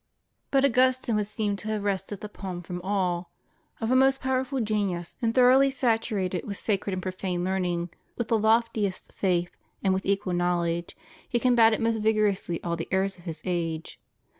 But Augustine would seem to have wrested the palm from all. Of a most powerful genius and thoroughly saturated with sacred and profane learning, with the loftiest faith and with equal knowledge, he combated most vigorously all the errors of his age.